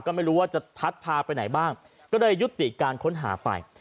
ก็ไม่รู้ว่าจะพัดพาไปไหนบ้างก็เลยยุติการค้นหาไป